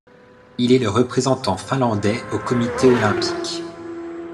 Il est le représentant finlandais au comité olympique.